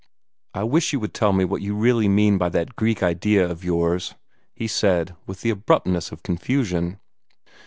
"I wish you would tell me what you really mean by that Greek idea of yours," he said with the abruptness of confusion.